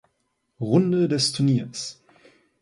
Runde des Turniers.